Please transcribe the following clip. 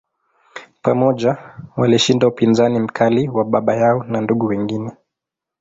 Pamoja, walishinda upinzani mkali wa baba yao na ndugu wengine.